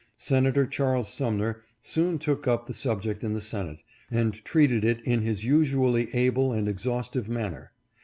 Senator Charles Sumner soon took up the subject in the Senate, and treated it in his usually able and exhaustive manner.